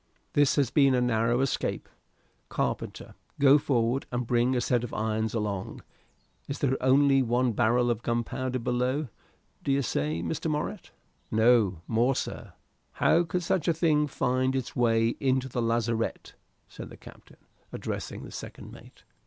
"This has been a narrow escape. Carpenter, go forward and bring a set of irons along. Is there only one barrel of gunpowder below, d'ye say, Mr. Morritt?" "No more, sir." "How could such a thing find its way into the lazarette?" said the captain, addressing the second mate.